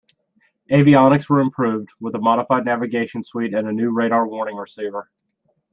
Avionics were improved, with a modified navigation suite and a new radar-warning receiver.